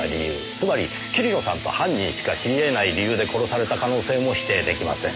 つまり桐野さんと犯人しか知りえない理由で殺された可能性も否定できません。